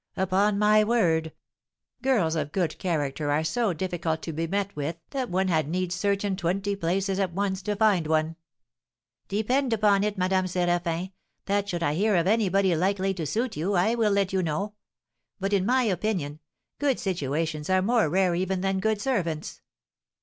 Upon my word, girls of good character are so difficult to be met with that one had need search in twenty places at once to find one." "Depend upon it, Madame Séraphin, that, should I hear of anybody likely to suit you, I will let you know; but, in my opinion, good situations are more rare even than good servants."